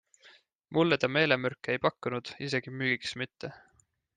Mulle ta meelemürke ei pakkunud, isegi müügiks mitte.